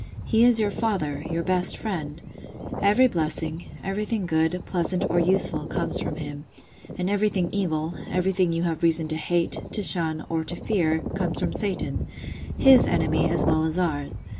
He is your father, your best friend: every blessing, everything good, pleasant, or useful, comes from Him; and everything evil, everything you have reason to hate, to shun, or to fear, comes from Satan—His enemy as well as ours.